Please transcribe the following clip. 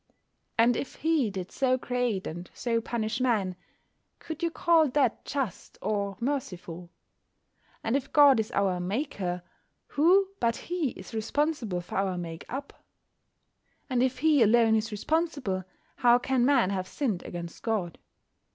And if He did so create and so punish man, could you call that just or merciful? And if God is our "maker," who but He is responsible for our make up? And if He alone is responsible, how can Man have sinned against God?